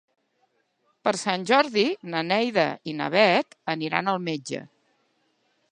Per Sant Jordi na Neida i na Bet aniran al metge.